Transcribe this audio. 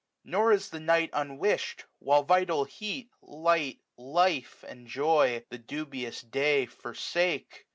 Nor is the night unwish'd j while vital heat. Light, life, and joy, the dubious day forsake.